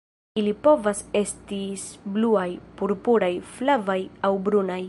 Ili povas estis bluaj, purpuraj, flavaj aŭ brunaj.